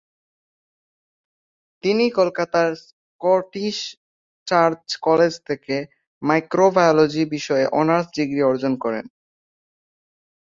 তিনি কলকাতার Scottish Church College থেকে মাইক্রোবায়োলজি বিষয়ে অনার্স ডিগ্রি অর্জন করেন।